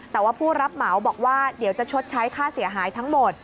แต่ว่าผู้รับเหมาบอกว่าเดี๋ยวจะชดใช้ค่าเสียหายทั้งหมด